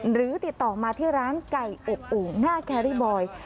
หรือติดต่อมาที่ร้านไก่อบโอ่งหน้าแครรี่บอย